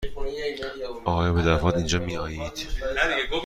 آیا به دفعات اینجا می آیید؟